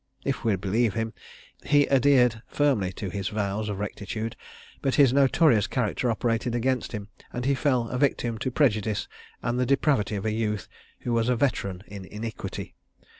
If we believe him, he adhered firmly to his vows of rectitude; but his notorious character operated against him, and he fell a victim to prejudice and the depravity of a youth, who was a veteran in iniquity.